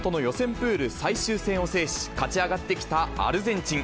プール最終戦を制し、勝ち上がってきたアルゼンチン。